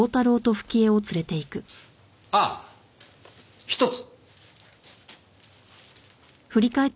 あっひとつ。